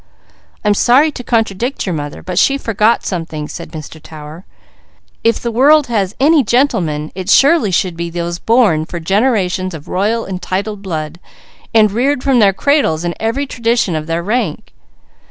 "I'm sorry to contradict your mother, but she forgot something," said Mr. Tower. "If the world has any gentlemen it surely should be those born for generations of royal and titled blood, and reared from their cradles in every tradition of their rank.